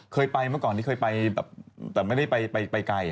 เคยไปเมื่อก่อนนี้เคยไปแบบแต่ไม่ได้ไปไกล